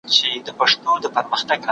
ولې غیر صحي خواړه د بدن لپاره ښه نه دي؟